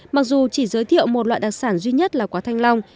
mặc dù chỉ giới thiệu một loại đặc sản duy nhất là quả thanh long